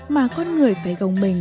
mà con người phải gồng mình